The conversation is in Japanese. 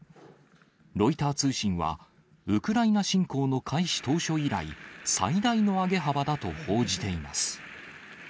ロイター通信は、ウクライナ侵攻の開始当初以来、最大の上げ幅だと報じています。